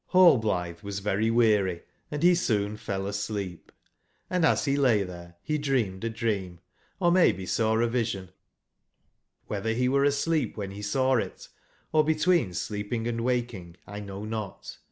HLLBLl^HG was very weary and be ^ soon fell asleep; and as be lay tbere, I be dreamed a dream, or maybe saw a vision ; wbetber bewereasleepwben be saw it, or between sleeping S, waking, ^1 knownot.